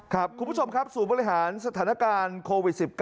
คุณผู้ชมครับศูนย์บริหารสถานการณ์โควิด๑๙